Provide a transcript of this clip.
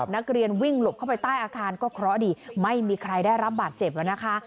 นักเรียนวิ่งหลบเข้าไปใต้อาคารก็เคราะห์ดีไม่มีใครได้รับบาดเจ็บแล้วนะคะ